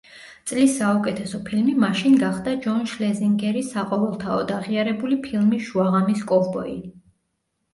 წლის საუკეთესო ფილმი მაშინ გახდა ჯონ შლეზინგერის საყოველთაოდ აღიარებული ფილმი შუაღამის კოვბოი.